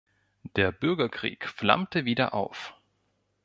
Der Bürgerkrieg flammte wieder auf.